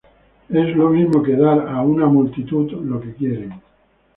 Es lo mismo que dar una multitud lo que quieren.